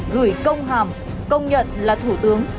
gửi công hàm công nhận là thủ tướng